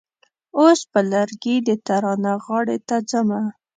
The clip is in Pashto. اوس په لرګي د تناره غاړې ته ځمه.